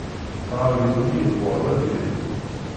Ɣer din mi yewweḍ ad iru.